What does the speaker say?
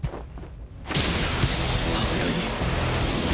速い！